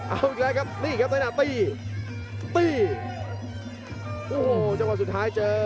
เอาอีกแล้วครับนี่ครับในขณะตีตี้โอ้โหจังหวะสุดท้ายเจอ